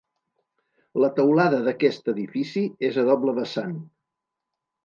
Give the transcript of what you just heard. La teulada d'aquest edifici és a doble vessant.